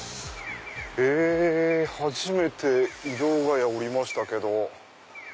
初めて井土ヶ谷降りましたけど。